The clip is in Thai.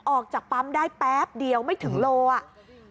ออกจากปั๊มได้แป๊บเดียวไม่ถึงโลอ่ะ